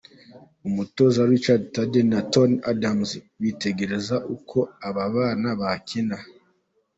Umutoza Richard Tardy na Tony Adams bitegereza uko aba bana bakina.